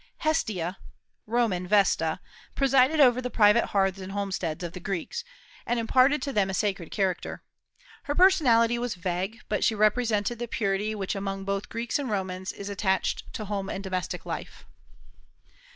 Hestia (Roman Vesta) presided over the private hearths and homesteads of the Greeks, and imparted to them a sacred character. Her personality was vague, but she represented the purity which among both Greeks and Romans is attached to home and domestic life.